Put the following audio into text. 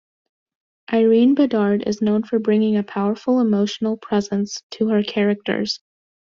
Irene Bedard is known for bringing a powerful emotional presence to her characters.